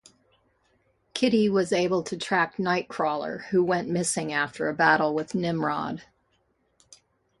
Kitty was able to track Nightcrawler who went missing after a battle with Nimrod.